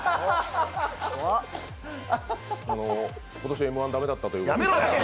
あの、今年Ｍ−１駄目だったということで。